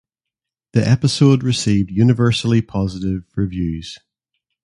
The episode received universally positive reviews.